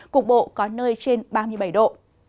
cục bộ có nơi trên ba mươi bảy độ